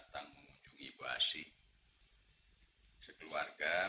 tidak tidak tidak